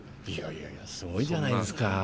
いやいやいやすごいじゃないですか